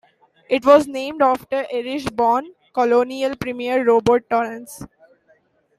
It was named after Irish-born colonial premier Robert Torrens.